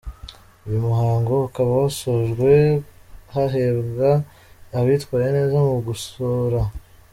Uyu muhango ukaba wasojwe hahembwa abitwaye neza mu gusora.